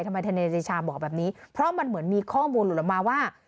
ทนายเดชาบอกแบบนี้เพราะมันเหมือนมีข้อมูลหลุดออกมาว่า